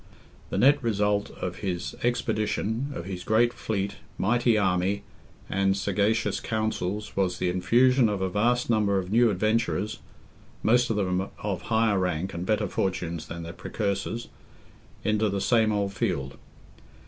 The nett result of his expedition, of his great fleet, mighty army, and sagacious counsels, was the infusion of a vast number of new adventurers (most of them of higher rank and better fortunes than their precursors), into the same old field.